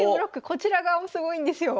こちら側もすごいんですよ。